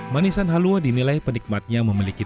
manisan halua dinilai penikmatnya memiliki